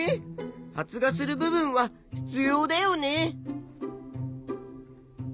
発芽する部分は必要だよね。